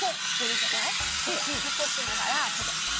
こうやってふせしながらこうやって。